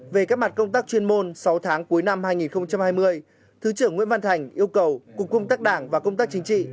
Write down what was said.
về các mặt công tác chuyên môn sáu tháng cuối năm hai nghìn hai mươi thứ trưởng nguyễn văn thành yêu cầu cục công tác đảng và công tác chính trị